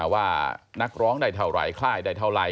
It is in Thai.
ว่านักร้องได้เท่าไหร่ค่ายได้เท่าไห